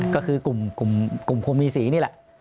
ก็คือกลุ่มภูมิศรีนี่แหละ